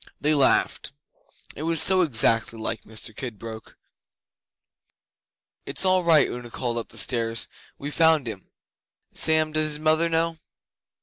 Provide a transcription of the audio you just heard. They laughed: it was so exactly like Mr Kidbrooke. 'It's all right,' Una called up the stairs. 'We found him, Sam. Does his mother know?